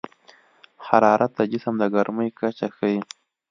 حرارت د جسم د ګرمۍ کچه ښيي.